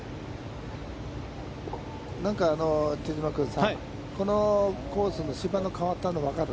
なんか、手嶋君さ、このコースの芝の変わったの、分かる？